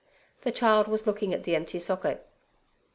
The child was looking at the empty socket.